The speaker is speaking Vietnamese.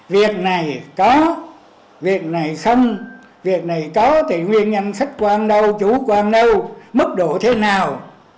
việc này có việc này không việc này có thì nguyên nhân sách quan đâu chủ quan đâu mức độ thế nào